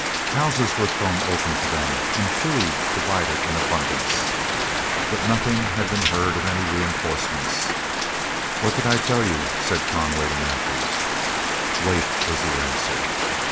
Houses were thrown open to them and food provided in abundance. But nothing had been heard of any reinforcements. "What did I tell you?" said Conway to Mathews. "Wait," was the answer.